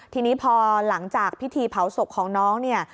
ทีนี้พอหลังจากพิธีเผาศพของน้องเนี่ย